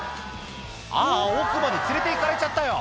あー、奥まで連れていかれちゃったよ。